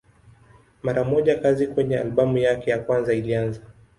Mara moja kazi kwenye albamu yake ya kwanza ilianza.